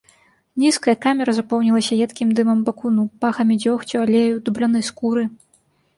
Нізкая камера запоўнілася едкім дымам бакуну, пахамі дзёгцю, алею, дублёнай скуры.